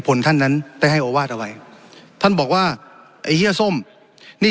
ท่านนั้นได้ให้โอวาสเอาไว้ท่านบอกว่าไอ้เฮียส้มนี่